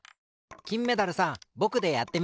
きんメダルさんぼくでやってみて。